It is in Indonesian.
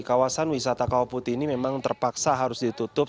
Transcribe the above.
kawasan wisata kawah putih ini memang terpaksa harus ditutup